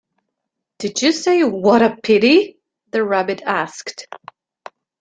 ‘Did you say “What a pity!”?’ the Rabbit asked.